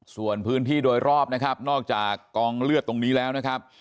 ส่วนพื้นที่โดยรอบนะครับนอกจากกองเลือดตรงนี้แล้วนะครับ